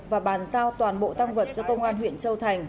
và bàn giao toàn bộ tăng vật cho công an huyện châu thành